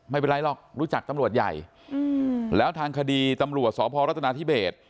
ไม่เป็นไรหรอกรู้จักตำรวจใหญ่แล้วทางคดีตำรวจสพรัฐนาธิเบส